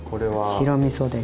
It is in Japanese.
白みそです。